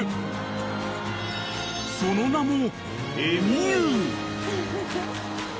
［その名も］